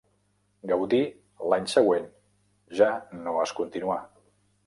Gaudí l'any següent ja no es continuà.